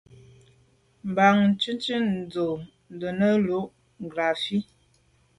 Mbàŋ jɔ̌ŋnə́ túʼdə́ nə̀ lú láʼ ngrāfí.